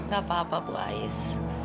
gak apa apa bu ais